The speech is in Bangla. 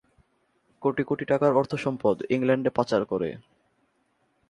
কোটি কোটি টাকার অর্থ সম্পদ ইংল্যান্ডে পাচার করে।